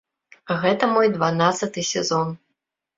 Гэта мой дванаццаты сезон.